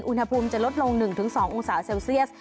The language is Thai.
อุณหภูมิจะลดลง๑๒องศาเซลเซียส